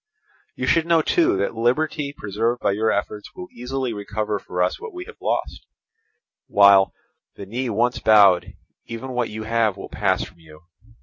You should know too that liberty preserved by your efforts will easily recover for us what we have lost, while, the knee once bowed, even what you have will pass from you.